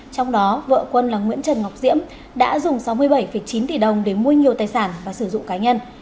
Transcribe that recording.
trong đó vợ quân là nguyễn trần ngọc diễm đã dùng sáu mươi bảy chín tỷ đồng để mua nhiều tài sản và sử dụng cá nhân